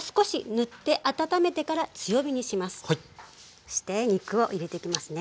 そして肉を入れていきますね。